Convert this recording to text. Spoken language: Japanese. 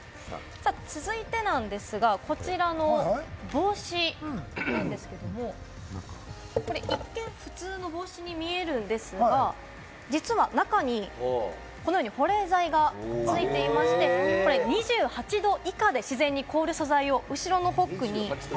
続いてですが、こちらの帽子、一見、普通の帽子に見えるんですが、実は中にこのように保冷剤が付いていまして、２８度以下で自然に凍る素材を、後ろのホックに。